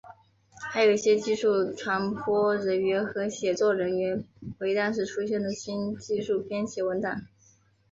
还有些技术传播人员和写作人员为当时出现的新技术编写文档。